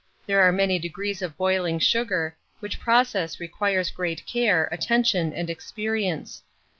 There are many degrees of boiling sugar, which process requires great care, attention, and experience.